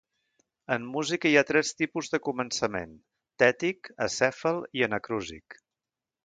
En música hi ha tres tipus de començament: tètic, acèfal i anacrúsic.